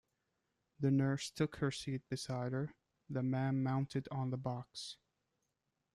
The nurse took her seat beside her; the man mounted on the box.